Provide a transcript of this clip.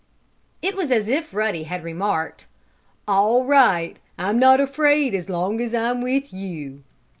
It was as if Ruddy had remarked: "All right! I'm not afraid as long as I'm with you!"